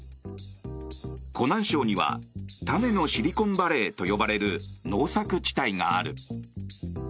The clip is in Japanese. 湖南省には種のシリコンバレーと呼ばれる農作地帯がある。